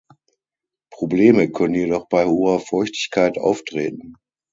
Probleme können jedoch bei hoher Feuchtigkeit auftreten.